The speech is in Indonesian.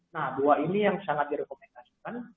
nah dua ini yang sangat direkomendasikan